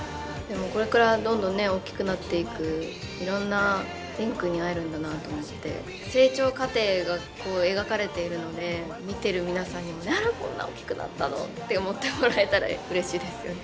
これからどんどん大きくなっていくいろんな蓮くんに会えるんだなと思って成長過程がこう描かれているので見てる皆さんにもこんな大きくなったのって思ってもらえたらうれしいですよね。